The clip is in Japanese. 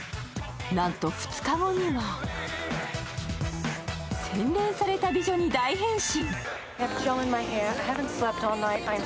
なんと２日後には洗練された美女に大変身。